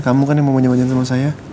kamu kan yang mau manja manja sama saya